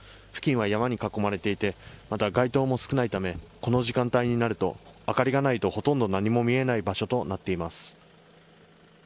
付近は山に囲まれていてまた街灯も少ないためこの時間帯になると明かりがないとほとんど何も見えない場所となっています。